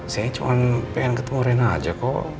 saya cuman pengen ketemu reina aja kok